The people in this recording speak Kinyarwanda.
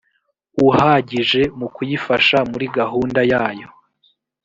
uhagije mu kuyifasha muri gahunda yayo